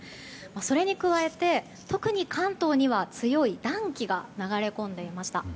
それに加えて、特に関東には強い暖気が流れ込んでいました。